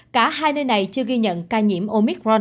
cả hai nơi này chưa ghi nhận ca nhiễm omicron